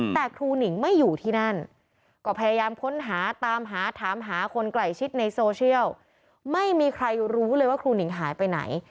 แต่ครูหนิงไม่อยู่ที่นั่นก็พยายามค้นหาตามหาถามหาคนใกล้ชิดในโซเชียลไม่มีใครรู้เลยว่าครูหนิงหายไปไหน